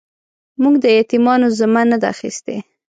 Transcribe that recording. موږ د يتيمانو ذمه نه ده اخيستې.